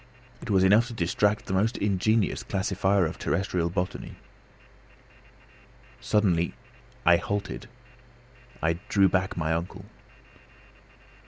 It was enough to distract the most ingenious classifier of terrestrial botany. Suddenly I halted. I drew back my uncle.